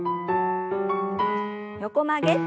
横曲げ。